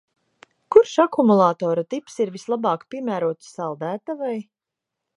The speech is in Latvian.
Kurš akumulatora tips ir vislabāk piemērots saldētavai?